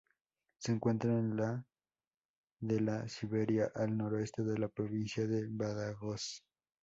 Se encuentra en la de La Siberia, al noreste de la provincia de Badajoz.